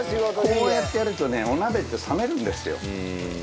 こうやってやるとねお鍋って冷めるんですよ。